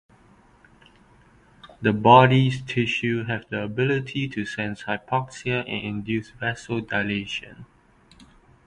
The body's tissues have the ability to sense hypoxia and induce vasodilation.